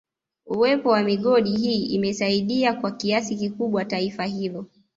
Uwepo wa migodi hii imesaidia kwa kiasi kikubwa taifa hilo